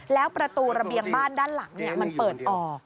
แล้วประตูระเบียงบ้านด้านหลังมันเปิดออก